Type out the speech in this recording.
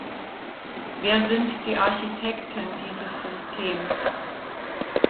Wer sind die Architekten dieses Systems?